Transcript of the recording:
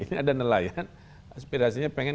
ini ada nelayan aspirasinya pengen